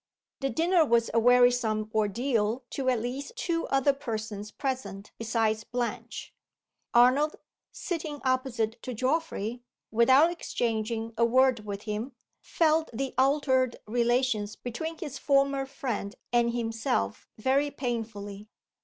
The dinner was a wearisome ordeal to at least two other persons present besides Blanche. Arnold, sitting opposite to Geoffrey, without exchanging a word with him, felt the altered relations between his former friend and himself very painfully.